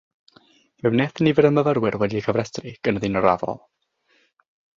Fe wnaeth nifer y myfyrwyr wedi'u cofrestru gynyddu'n raddol.